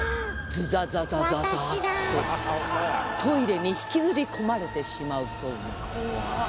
ズザザザザとトイレに引きずり込まれてしまうそうな。